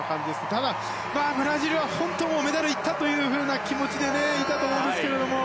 ただ、ブラジルはメダルいったという気持ちでいたと思うんですけど。